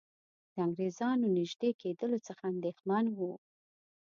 د انګریزانو نیژدې کېدلو څخه اندېښمن وو.